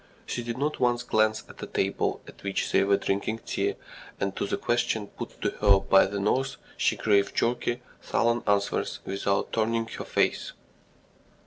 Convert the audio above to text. She did not once glance at the table at which they were drinking tea, and to the questions put to her by the nurse she gave jerky, sullen answers without turning her face.